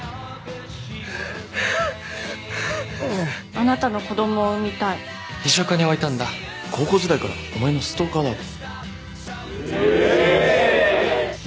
あなたの子どもを産みたい秘書課に置いたんだ高校時代からのお前のストーカーだろうえーい！